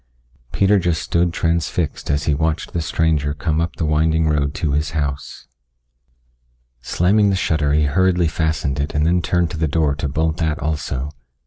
Peter just stood transfixed as he watched the stranger come up the winding road to his house. Slamming the shutter he hurriedly fastened it and then turned to the door to bolt that also.